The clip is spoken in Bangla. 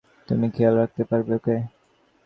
তুমি খেয়াল রাখতে পারবে, ওকে?